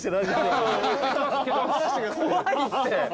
怖いって。